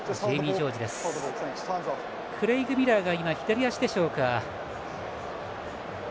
クレイグ・ミラーが今、左足でしょうか。